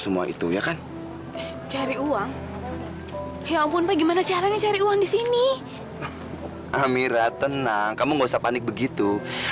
harusnya air mata nol itu